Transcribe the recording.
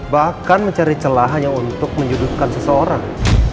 bahkan mencari celahnya untuk menyudutkan seseorang